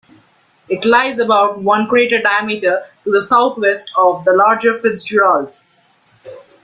It lies about one crater diameter to the southwest of the larger Fitzgerald.